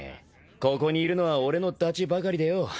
ここにいるのは俺のダチばかりでよ。